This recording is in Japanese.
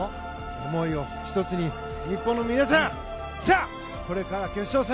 思いを１つに、日本の皆さんこれから決勝戦。